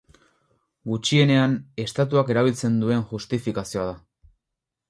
Gutxienean, estatuak erabiltzen duen justifikazioa da.